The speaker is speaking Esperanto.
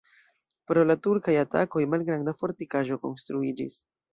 Pro la turkaj atakoj malgranda fortikaĵo konstruiĝis.